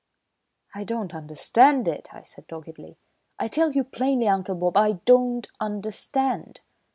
"I don't understand it," I said doggedly. "I tell you plainly, Uncle Bob, I don't understand.